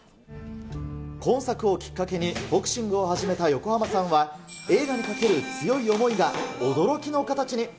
今作をきっかけに、ボクシングを始めた横浜さんは、映画にかける強い思いが驚きの形に。